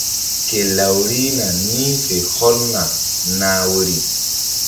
Ke law rihna ni̧h fe hɔlna nah woyri.